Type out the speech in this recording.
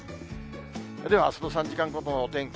では、あすの３時間ごとのお天気。